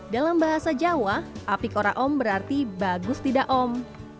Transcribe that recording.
dalam bahasa jawa api cora om berarti bagus tidak om